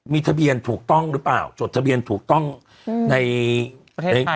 มีทะเบียนถูกต้องหรือเปล่าจดทะเบียนถูกต้องอืมในใน